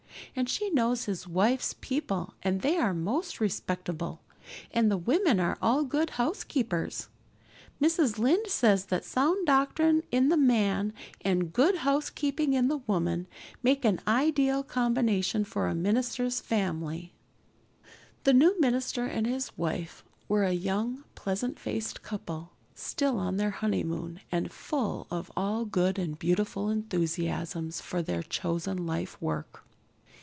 And she knows his wife's people and they are most respectable and the women are all good housekeepers. Mrs. Lynde says that sound doctrine in the man and good housekeeping in the woman make an ideal combination for a minister's family." The new minister and his wife were a young, pleasant faced couple, still on their honeymoon, and full of all good and beautiful enthusiasms for their chosen lifework.